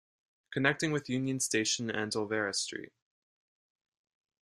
Connecting with Union Station and Olvera Street.